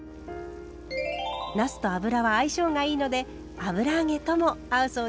なすと油は相性がいいので油揚げとも合うそうですよ。